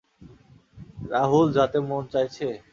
রাহুল যাতে মন চাইছে?